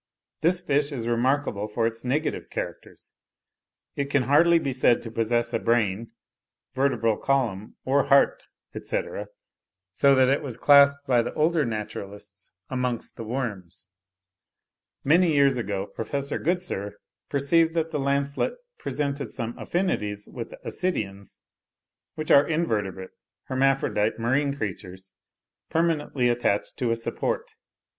This fish is remarkable for its negative characters; it can hardly be said to possess a brain, vertebral column, or heart, etc.; so that it was classed by the older naturalists amongst the worms. Many years ago Prof. Goodsir perceived that the lancelet presented some affinities with the Ascidians, which are invertebrate, hermaphrodite, marine creatures permanently attached to a support.